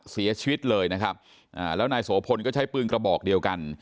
เสียชีวิตเลยนะครับอ่าแล้วนายโสพลก็ใช้ปืนกระบอกเดียวกัน